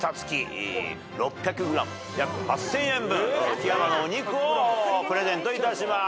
日山のお肉をプレゼントいたします。